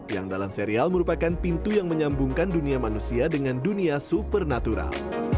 yang dalam serial merupakan pintu yang menyambungkan dunia manusia dengan dunia supernatural